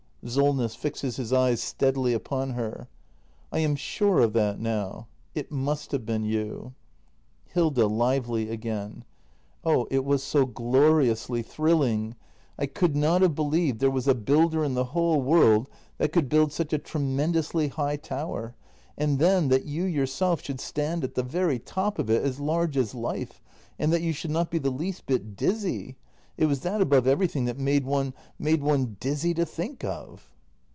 Solness. [Fixes his eyes steadily upon her.] I am sure of that now. It must have been you. Hilda. [Lively again.] Oh, it was so gloriously thrilling! I could not have believed there was a builder in the whole world that could build such a tremendously high tower. And then, that you yourself should stand at the very top of it, as large as life ! And that you should not be the least bit dizzy! It was that above everything that made one — made one dizzy to think of.